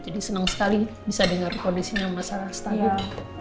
jadi seneng sekali bisa dengar kondisinya sama sarah stabil